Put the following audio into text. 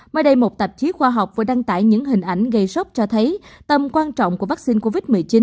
mới đây một tạp chí khoa học vừa đăng tải những hình ảnh gây sốc cho thấy tầm quan trọng của vaccine covid một mươi chín